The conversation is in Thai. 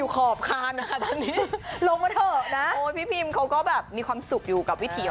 ก็ขอแค่มีคนคุย